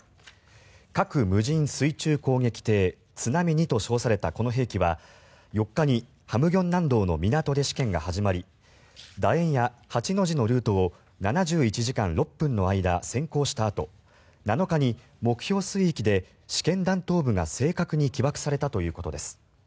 核無人水中攻撃艇「津波２」と称されたこの兵器は４日に咸鏡南道の港で試験が始まり楕円や８の字のルートを７１時間６分の間潜行したあと７日に目標水域で試験弾頭部が正確に起爆されたということです。